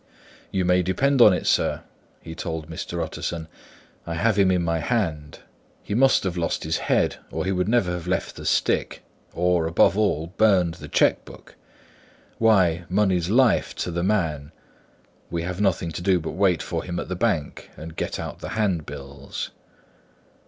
"You may depend upon it, sir," he told Mr. Utterson: "I have him in my hand. He must have lost his head, or he never would have left the stick or, above all, burned the cheque book. Why, money's life to the man. We have nothing to do but wait for him at the bank, and get out the handbills."